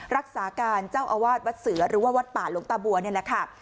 รักษาการเจ้าอาวาสวัดเสือหรือว่าวัดป่าหลวงตาบัวนี่แหละค่ะ